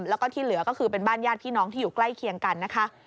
แล้วก็ที่เหลือก็คือเป็นบ้านญาติพี่น้องที่อยู่ใกล้เคียงกันนะคะ